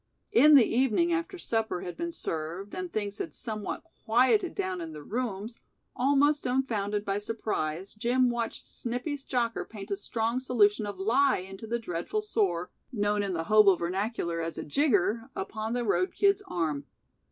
In the evening after supper had been served and things had somewhat quieted down in the rooms, almost dumfounded by surprise Jim watched Snippy's jocker paint a strong solution of lye into the dreadful sore known in the hobo vernacular as a "jigger" upon the road kid's arm.